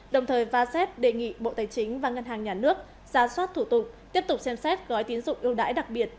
đồng thời vasep đề nghị bộ tài chính và ngân hàng nhà nước ra soát thủ tục tiếp tục xem xét gói tín dụng yêu đáy đặc biệt